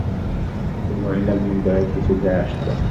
কিন্তু মহিলা বিল দেয়ায় কিছু যায় আসত না।